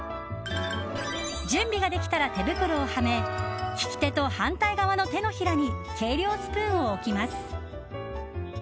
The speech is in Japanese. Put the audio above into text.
準備ができたら手袋をはめ利き手と反対側の手の平に計量スプーンを置きます。